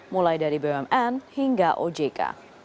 mulai dari bumn hingga ojk